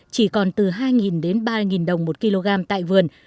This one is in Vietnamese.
chỉ còn từ hai đến ba đồng một kg tại vườn